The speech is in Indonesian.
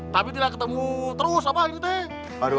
tapi tidak ketemu terus apa ini teh